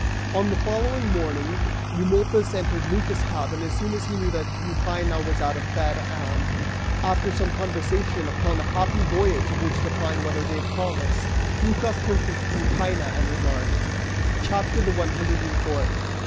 (On the following morning Eumolpus entered Lycas' cabin as soon as he knew that Tryphaena was out of bed and, after some conversation upon the happy voyage of which the fine weather gave promise, Lycas turned to Tryphaena and remarked:) CHAPTER THE ONE HUNDRED AND FOURTH.